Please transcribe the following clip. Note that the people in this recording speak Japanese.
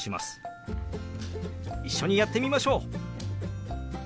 一緒にやってみましょう。